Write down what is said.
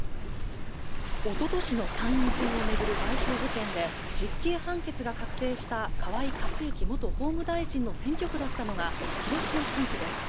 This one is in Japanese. おととしの参院選を巡る買収事件で実刑判決が確定した河井克行元法務大臣の選挙区だったのが広島３区です